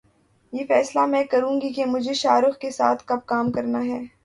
یہ فیصلہ میں کروں گی کہ مجھے شاہ رخ کے ساتھ کب کام کرنا ہے